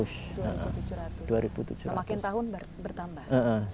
semakin tahun bertambah